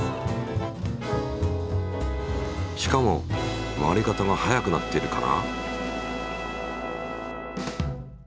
しかも回り方が速くなっているかな？